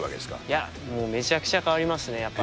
いや、もうめちゃくちゃ変わりますね。